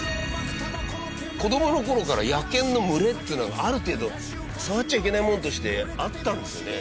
子どもの頃から野犬の群れっていうのがある程度触っちゃいけないものとしてあったんですよね。